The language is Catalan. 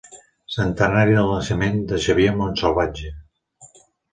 Centenari del naixement de Xavier Montsalvatge.